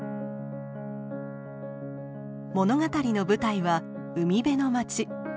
物語の舞台は海辺の街。